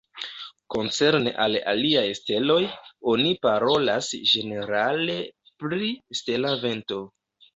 Koncerne al aliaj steloj, oni parolas ĝenerale pri stela vento.